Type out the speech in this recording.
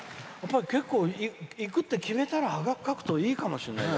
結構、行くって決めたらハガキ書くといいかもしれないよ。